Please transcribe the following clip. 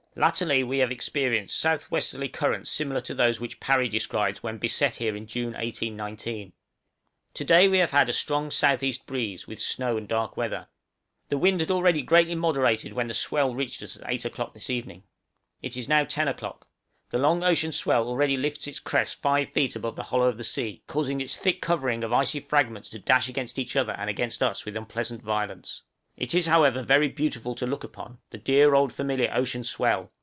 Latterly we have experienced south westerly currents similar to those which Parry describes when beset here in June, 1819. To day we have had a strong S.E. breeze, with snow and dark weather. The wind had greatly moderated when the swell reached us about eight o'clock this evening. It is now ten o'clock; the long ocean swell already lifts its crest five feet above the hollow of the sea, causing its thick covering, of icy fragments to dash against each other and against us with unpleasant violence. It is however very beautiful to look upon, the dear old familiar ocean swell!